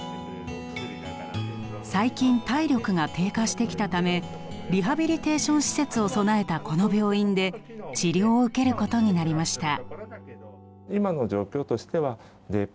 最近体力が低下してきたためリハビリテーション施設を備えたこの病院で治療を受けることになりました。